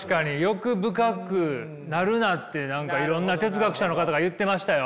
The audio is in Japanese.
欲深くなるなって何かいろんな哲学者の方が言ってましたよ